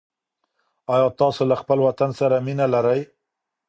آیا تاسو له خپل وطن سره مینه لرئ؟